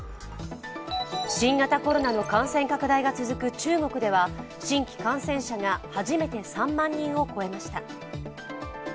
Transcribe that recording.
新型コロナの感染拡大が続く中国では新規感染者が初めて３万人を超えました。